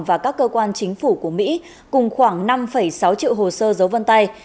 và các cơ quan chính phủ của mỹ cùng khoảng năm sáu triệu hồ sơ dấu vân tay